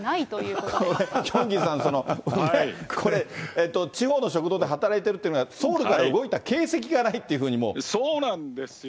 これ、ヒョンギさん、これ、地方の食堂で働いてるというのに、ソウルから動いた形跡がないってそうなんですよ。